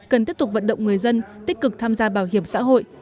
cần tiếp tục vận động người dân tích cực tham gia bảo hiểm xã hội